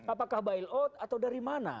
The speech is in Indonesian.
apakah bailout atau dari mana